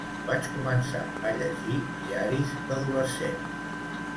Vaig començar a llegir diaris d'adolescent.